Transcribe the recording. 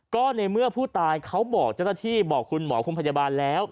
ก็ในเมื่อผู้ตายเขาบอกเจ้าหน้าที่บอกคุณหมอคุณพยาบาลแล้ว